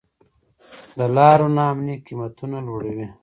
د لارو نا امني قیمتونه لوړوي.